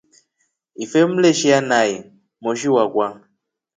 Ife umleshinai moshi wakwa.